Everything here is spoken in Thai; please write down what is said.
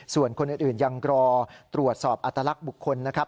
ส่วนคนอื่นยังรอตรวจสอบอัตลักษณ์บุคคลนะครับ